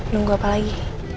nunggu apa lagi